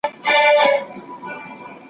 خپل د څيړني شعور او ښکلا ییز حس ژوندی وساتئ.